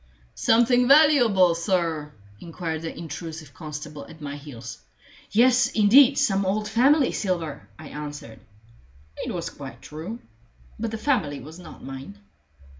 "Something valuable, sir?" inquired the intrusive constable at my heels. "Yes, indeed some old family silver," I answered. It was quite true. But the family was not mine.